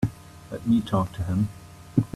Let me talk to him.